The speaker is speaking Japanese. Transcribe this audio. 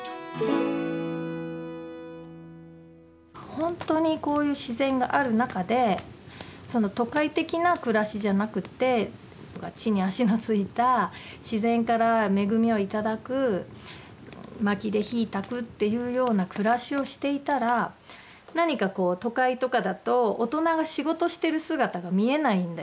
ほんとにこういう自然がある中で都会的な暮らしじゃなくって地に足の着いた自然から恵みを頂くまきで火たくっていうような暮らしをしていたら何かこう都会とかだと大人が仕事してる姿が見えないんだよね。